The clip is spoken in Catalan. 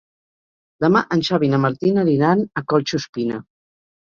Demà en Xavi i na Martina aniran a Collsuspina.